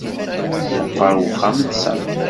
Meqqer uxxam n Sami